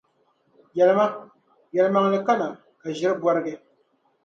Yεlima: Yεlimaŋli kana, ka ʒiri bɔrgi.